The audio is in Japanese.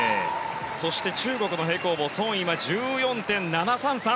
中国の平行棒ソン・イは１４．７３３。